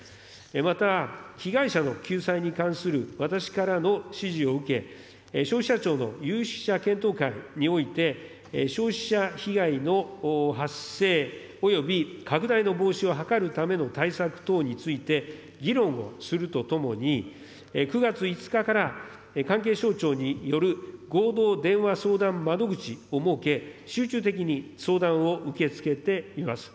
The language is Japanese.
また、被害者の救済に関する私からの指示を受け、消費者庁の有識者検討会において、消費者被害の発生および拡大の防止を図るための対策等について、議論をするとともに、９月５日から関係省庁による合同電話相談窓口を設け、集中的に相談を受け付けています。